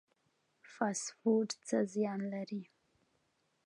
فاسټ فوډ څه زیان لري؟